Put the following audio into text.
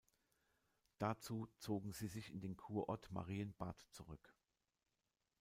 Dazu zogen sie sich in den Kurort Marienbad zurück.